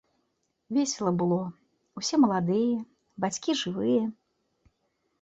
Весела было, усе маладыя, бацькі жывыя.